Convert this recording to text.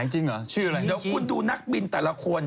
เดี๋ยวคุณดูนักบินแต่ละคน